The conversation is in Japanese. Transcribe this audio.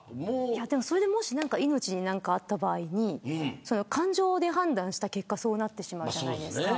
それでもし、命に何かあった場合感情で判断した結果そうなってしまうじゃないですか。